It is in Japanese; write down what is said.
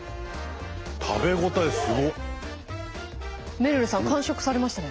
めるるさん完食されましたね。